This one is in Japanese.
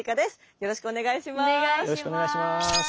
よろしくお願いします。